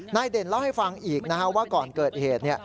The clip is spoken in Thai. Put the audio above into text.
นายเด่นเล่าให้ฟังอีกนะครับว่าก่อนเกิดเหตุ